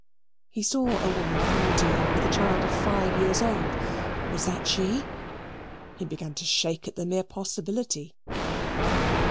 He saw a woman coming to him with a child of five years old was that she? He began to shake at the mere possibility.